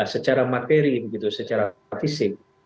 secara materi secara fisik